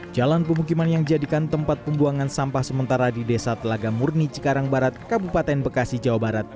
jalan pemukiman yang jadikan tempat pembuangan sampah sementara di desa telaga murni cikarang barat kabupaten bekasi jawa barat